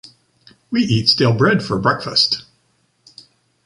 We eat stale bread for breakfast.